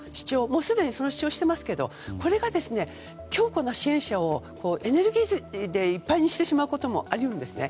もうすでにその主張していますがこれが、強固な支援者をエネルギーでいっぱいにしてしまうこともあるんですね。